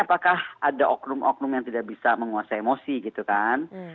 apakah ada oknum oknum yang tidak bisa menguasai emosi gitu kan